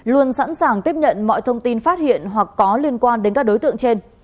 luôn sẵn sàng tiếp nhận mọi thông tin phát hiện hoặc có liên quan đến các đối tượng trên